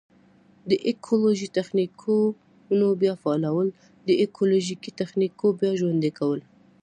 د ایکولوژیکي تخنیکونو بیا فعالول: د ایکولوژیکي تخنیکونو بیا ژوندي کول.